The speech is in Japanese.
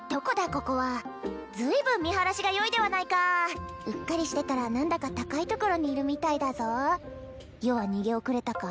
ここは随分見晴らしがよいではないかうっかりしてたら何だか高いところにいるみたいだぞ余は逃げ遅れたか？